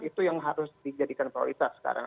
itu yang harus dijadikan prioritas sekarang